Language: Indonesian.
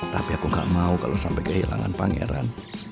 tapi aku gak mau kalau sampai kehilangan pangeran